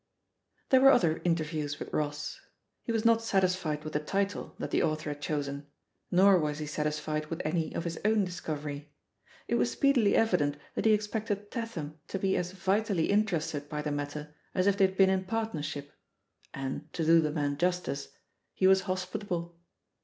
There were other interviews with Ross* He ^as not satisfied with the title that the author had chosen, nor was he satisfied with any of his own discovery. It was speedily evident that he expected Tatham to be as vitally interested by the matter as if they had been in partnership; and, to do the man justice, he was hospitable.